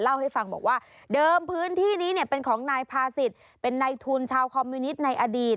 เล่าให้ฟังบอกว่าเดิมพื้นที่นี้เนี่ยเป็นของนายพาศิษย์เป็นนายทุนชาวคอมมิวนิตในอดีต